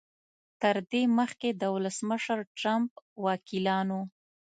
تر دې مخکې د ولسمشر ټرمپ وکیلانو